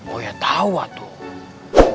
oh ya tahu tuh